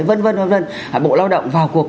v v v bộ lao động vào cuộc